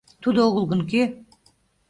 Тудо огыл гын, кӧ?